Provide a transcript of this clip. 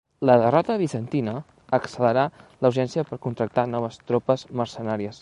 La derrota bizantina accelerà la urgència per contractar noves tropes mercenàries.